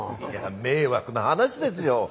いや迷惑な話ですよ。